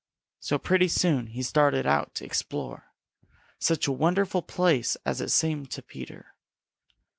So pretty soon he started out to explore. Such a wonderful place as it seemed to Peter!